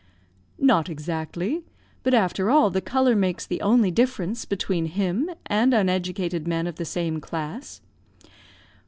_" "Not exactly. But, after all, the colour makes the only difference between him and uneducated men of the same class."